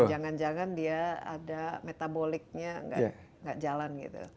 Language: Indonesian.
jangan jangan dia ada metaboliknya nggak jalan gitu